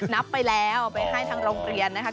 นับไปแล้วไปให้ทางโรงเรียนนะคะ